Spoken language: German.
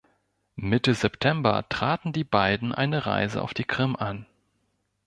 Mitte September traten die beiden eine Reise auf die Krim an.